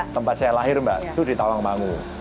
tempat saya lahir mbak itu di tawangmangu